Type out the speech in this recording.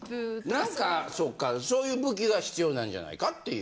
何かそっかそういう武器が必要なんじゃないかっていう。